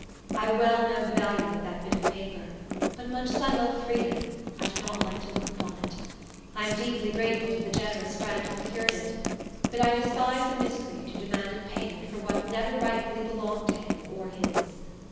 I well know the value of that bit of paper; but much as I love freedom, I do not like to look upon it. I am deeply grateful to the generous friend who procured it, but I despise the miscreant who demanded payment for what never rightfully belonged to him or his.